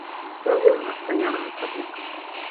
انزل من السّيّارة من فضلك.